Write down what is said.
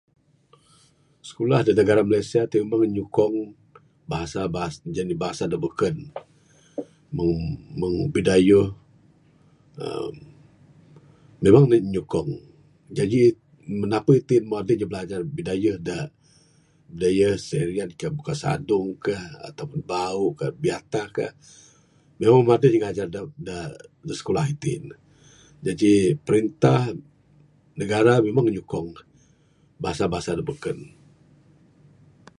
Sikulah da negara Malaysia ti meh nyukong, bahasa bahasa jani bahasa da beken. Meng meng bidayuh emm. Memang ne nyukong. Jaji, napeh itin meh adeh inya bilajar bidayuh da bidayuh Serian ka, bukar sadong ka ato pun bau, biatah ka. Memang adeh inya ngajar da, da sikulah itin ne. Jaji, perintah negara memang nyukong bahasa bahasa da beken